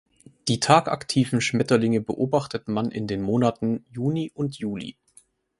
Die tagaktiven Schmetterlinge beobachtet man in den Monaten Juni und Juli.